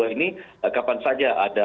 ini kapan saja ada